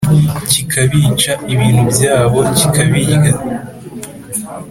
Kikabica ibintu byabo kikabirya.